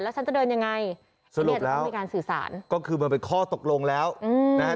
แล้วฉันจะเดินยังไงสรุปแล้วก็คือมันเป็นข้อตกลงแล้วอืมนะฮะ